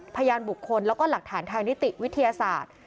พยานบุคคลแล้วก็หลักฐานทางนิติวิทยาศาสตร์